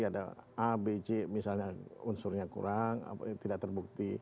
ada a b c misalnya unsurnya kurang tidak terbukti